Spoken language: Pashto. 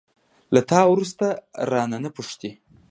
له تا وروسته، رانه، نه پوښتي